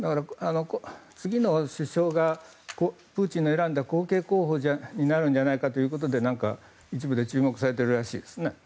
次の首相がプーチンの選んだ後継候補になるんじゃないかということで一部で注目されているらしいですね。